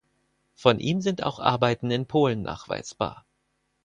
Von ihm sind auch Arbeiten in Polen nachweisbar.